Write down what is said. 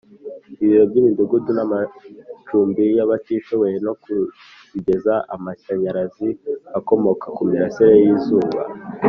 ibiro by imidugudu n amacumbi y abatishoboye no kuzigezaho amashanyarazi akomoka ku mirasire y izuba